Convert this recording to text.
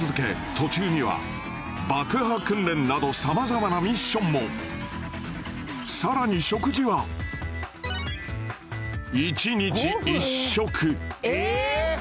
途中には爆破訓練など様々なミッションもさらに食事は１日１食ええ